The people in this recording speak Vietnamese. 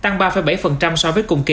tăng ba bảy so với cùng kỳ